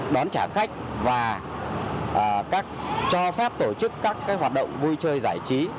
đón trả khách và cho phép tổ chức các hoạt động vui chơi giải trí